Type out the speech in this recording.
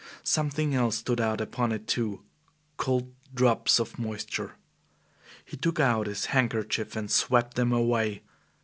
Something else stood out upon it too cold drops of moisture. He took out his handkerchief and swept them away.